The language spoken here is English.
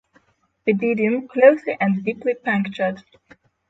Pygidium closely and deeply punctured.